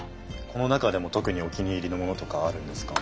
この中でも特にお気に入りのものとかあるんですか？